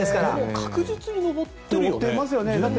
確実に上ってるよね。